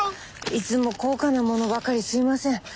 いつも高価な物ばかりすいません。